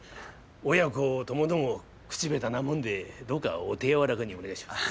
親子ともども口下手なもんでどうかお手柔らかにお願いします。